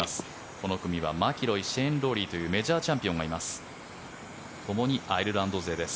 この組はマキロイシェーン・ロウリーというメジャーチャンピオンがいます。